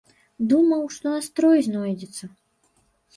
Думаў, што настрой знойдзецца.